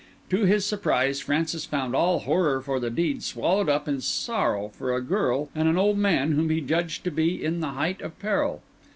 To his surprise, Francis found all horror for the deed swallowed up in sorrow for a girl and an old man whom he judged to be in the height of peril.